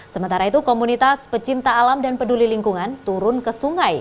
sementara itu komunitas pecinta alam dan peduli lingkungan turun ke sungai